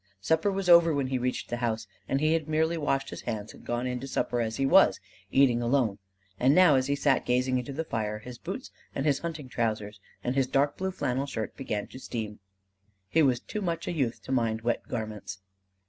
Supper was over when he reached the house, and he had merely washed his hands and gone in to supper as he was, eating alone; and now as he sat gazing into the fire, his boots and his hunting trousers and his dark blue flannel shirt began to steam. He was too much a youth to mind wet garments.